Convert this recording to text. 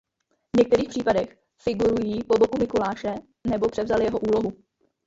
V některých případech figurují po boku Mikuláše nebo převzaly jeho úlohu.